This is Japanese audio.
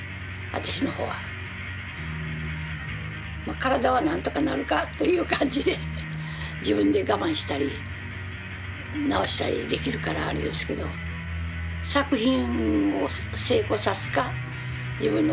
体は何とかなるかという感じで自分で我慢したり治したりできるからあれですけどどっちかです。